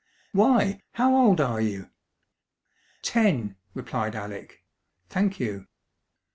"Why, how old are you?" "Ten," replied Alec. "Thank you."